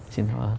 xin cảm ơn